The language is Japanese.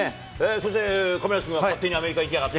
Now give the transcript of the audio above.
そして亀梨君は勝手にアメリカ行きやがって。